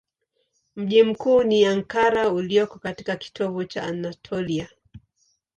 Mji mkuu ni Ankara ulioko katika kitovu cha Anatolia.